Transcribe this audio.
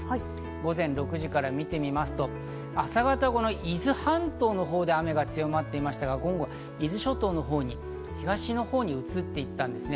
午前６時から見てみますと朝方、伊豆半島のほうで雨が強まっていましたが、伊豆諸島のほうに、東のほうに移っていったんですね。